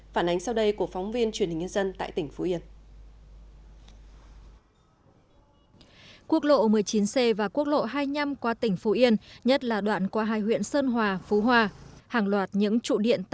phản ánh sau đây của phóng viên truyền hình nhân dân tại tỉnh phú yên